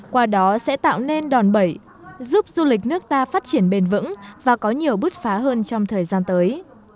qua đó sẽ tạo nên đòn bẩy giúp du lịch nước ta phát triển bền vững và có nhiều bứt phá hơn trong thời gian tới